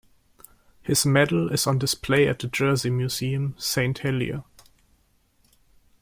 His medal is on display at the Jersey Museum, Saint Helier.